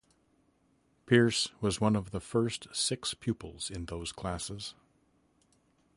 Pearse was one of the first six pupils in those classes.